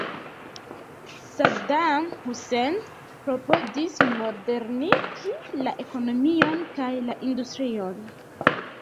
Saddam Hussein klopodis modernigi la ekonomion kaj la industrion.